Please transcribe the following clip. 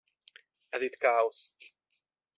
Ez itt káosz.